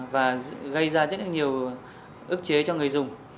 và gây ra rất là nhiều ước chế cho người dùng